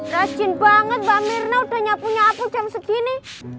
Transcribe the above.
rajin banget mbak mirna udah nyapu nyapu jam segini